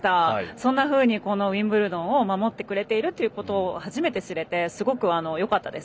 そんなふうにウィンブルドンを守ってくれているということを知れてすごくよかったです。